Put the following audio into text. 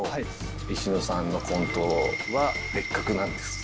いしのさんのコントは別格なんです。